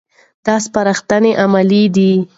دا سپارښتنې عملي دي.